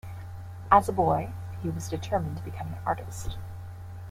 As a boy, he was determined to become an artist.